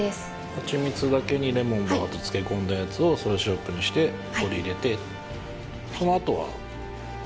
ハチミツだけにレモンバーッと漬け込んだやつをそれをシロップにして氷入れてはい